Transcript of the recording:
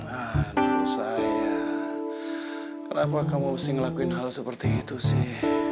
aduh saya kenapa kamu mesti ngelakuin hal seperti itu sih